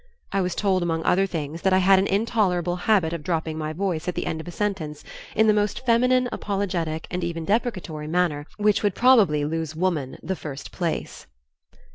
I was told among other things that I had an intolerable habit of dropping my voice at the end of a sentence in the most feminine, apologetic and even deprecatory manner which would probably lose Woman the first place.